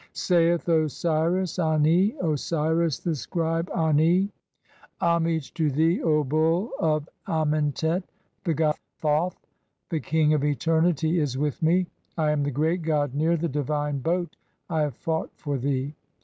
Saith Osiris Ani, (4) Osiris the scribe Ani :— "Homage to thee, O bull of Amentet, the god Thoth, (5) the "king of eternity, is with me. I am the great god near the divine "boat, I have fought (6) for thee.